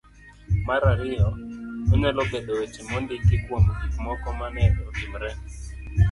ma ariyo .Onyalo bedo weche mondiki kuom gik moko ma ne otimore.